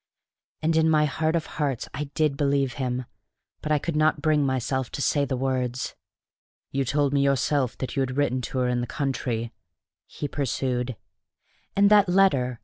And in my heart of hearts I did believe him; but I could not bring myself to say the words. "You told me yourself that you had written to her in the country," he pursued. "And that letter!"